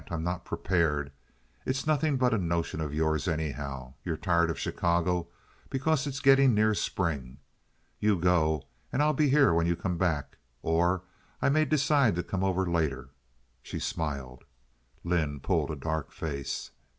I'm not prepared. It's nothing but a notion of yours, anyhow. You're tired of Chicago because it's getting near spring. You go and I'll be here when you come back, or I may decide to come over later." She smiled. Lynde pulled a dark face.